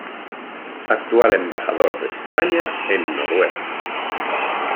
Actual embajador de España en Noruega.